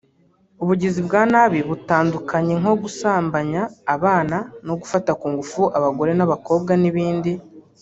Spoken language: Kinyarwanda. ubugizi bwa nabi butandukanye nko gusambanya abana no gufata ku ngufu abagore n’abakobwa n’ibindi